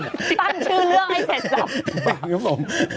ตั้งชื่อเรื่องไอ้เศษหรอ